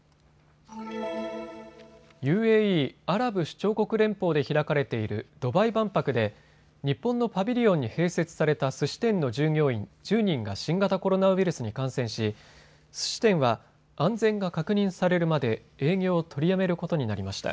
ＵＡＥ・アラブ首長国連邦で開かれているドバイ万博で日本のパビリオンに併設されたすし店の従業員１０人が新型コロナウイルスに感染しすし店は安全が確認されるまで営業を取りやめることになりました。